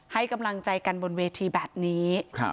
ให้กำลังใจกันบนเวทีแบบนี้